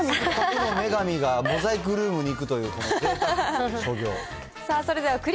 女神がモザイクルームに行くという、ぜいたく。